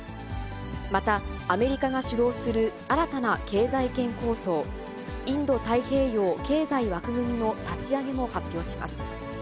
またアメリカが主導する新たな経済圏構想、インド太平洋経済枠組みの立ち上げも発表します。